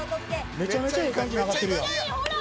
めちゃめちゃええ感じに揚がってるやん。